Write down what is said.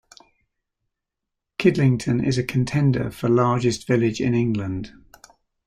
Kidlington is a contender for largest village in England.